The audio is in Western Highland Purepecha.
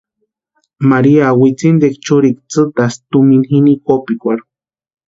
María witsintikwa churikwa tsïtasti tumina jini kopikwarhu.